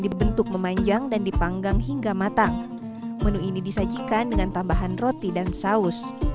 dibentuk memanjang dan dipanggang hingga matang menu ini disajikan dengan tambahan roti dan saus